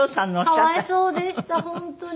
かわいそうでした本当に。